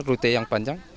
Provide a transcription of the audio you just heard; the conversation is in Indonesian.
rute yang panjang